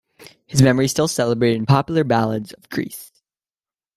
His memory is still celebrated in popular ballads in Greece.